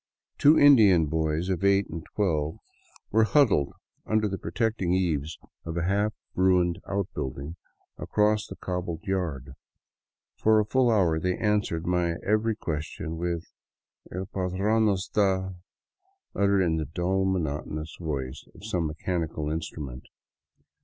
Two Indian boys of eight and twelve were " huddled 211 VAGABONDING DOWN THE ANDES under the projecting eaves of a half ruined outbuilding across the cob bled yard. For a full hour they answered my every question with " El patron no 'sta/' uttered in the dull, monotonous voice of some mechanical instrument.